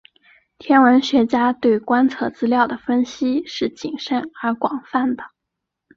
天文学家对观测资料的分析是谨慎而广泛的。